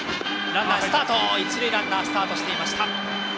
一塁ランナースタートしていました。